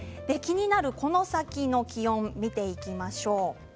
気になるこの先の気温を見ていきましょう。